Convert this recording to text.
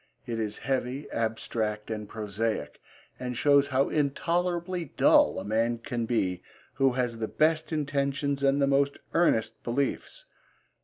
It is heavy, abstract and prosaic, and shows how intolerably dull a man can be who has the best intentions and the most earnest beliefs.